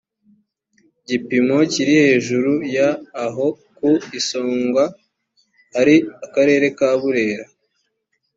gipimo kiri hejuru ya aho ku isonga hari akarere ka burera